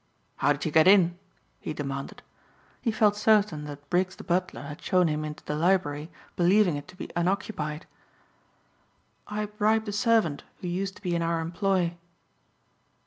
"How did you get in?" he demanded. He felt certain that Briggs the butler had shown him into the library believing it to be unoccupied. "I bribed a servant who used to be in our employ."